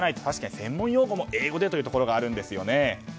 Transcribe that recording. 確かに専門用語も英語でというところがあるんですよね。